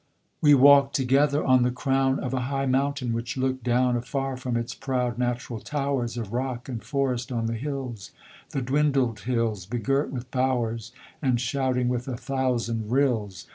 We walk'd together on the crown Of a high mountain which look'd down Afar from its proud natural towers Of rock and forest, on the hills The dwindled hills! begirt with bowers, And shouting with a thousand rills.